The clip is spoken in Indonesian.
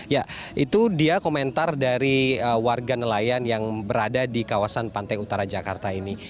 ya itu dia komentar dari warga nelayan yang berada di kawasan pantai utara jakarta ini